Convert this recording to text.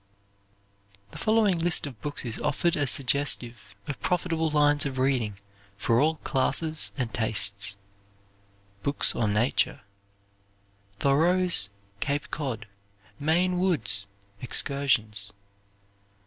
The following list of books is offered as suggestive of profitable lines of reading for all classes and tastes: Books on Nature Thoreau's, "Cape Cod," "Maine Woods," "Excursions."